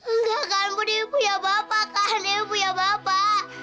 enggak kan bu dewi punya bapak kan dewi punya bapak